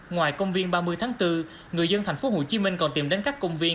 ngoài công viên ba mươi tháng bốn người dân thành phố hồ chí minh còn tìm đến các công viên